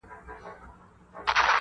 په خپله ژبه غوږ نه نیسي